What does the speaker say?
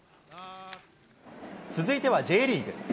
続いてはＪリーグ。